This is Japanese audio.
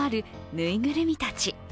ぬいぐるみたち。